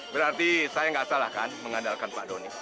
berarti saya nggak salah kan mengandalkan pak doni